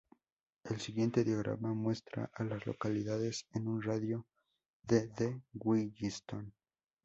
El siguiente diagrama muestra a las localidades en un radio de de Williston.